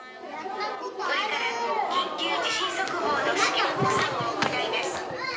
「これから緊急地震速報の試験放送を行います」。